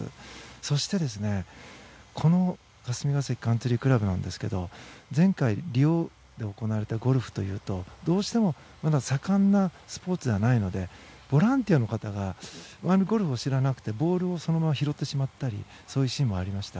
そして、霞ヶ関カンツリー倶楽部ですが前回リオで行われたゴルフというとどうしてもまだ盛んなスポーツではないのでボランティアの方がゴルフを知らなくてボールをそのまま拾ってしまったりそういうシーンもありました。